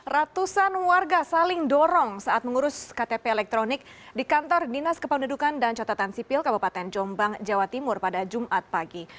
ratusan warga saling dorong saat mengurus ktp elektronik di kantor dinas kependudukan dan catatan sipil kabupaten jombang jawa timur pada jumat pagi